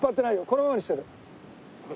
このままにしてる。